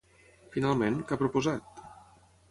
Finalment, què ha proposat?